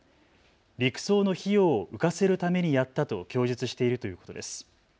陸送の費用を浮かせるためにやったと供述しているということです。